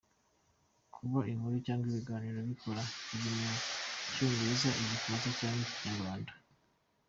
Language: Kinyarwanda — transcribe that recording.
Kuba inkuru cyangwa ibiganiro bakora biri mu cyongereza, igifaransa cyangwa ikinyarwanda.